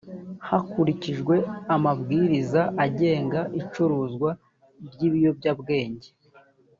hakurikijwe amabwiriza agenga icuruzwa ry’ibiyobyabwenge